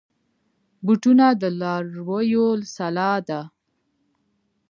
بوټونه د لارویو سلاح ده.